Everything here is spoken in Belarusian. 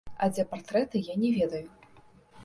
А дзе партрэты, я не ведаю.